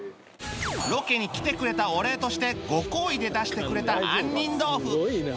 ロケに来てくれたお礼としてご厚意で出してくれた杏仁豆腐